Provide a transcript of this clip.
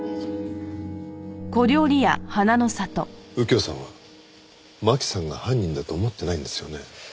右京さんは真紀さんが犯人だと思ってないんですよね？